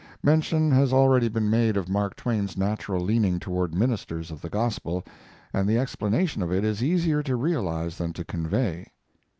Mention has already been made of Mark Twain's natural leaning toward ministers of the gospel, and the explanation of it is easier to realize than to convey.